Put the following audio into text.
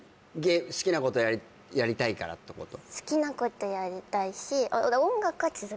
好きなことやりたいからってこと？